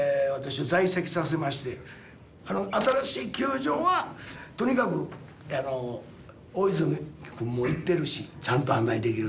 新しい球場はとにかく大泉君も行ってるしちゃんと案内できる。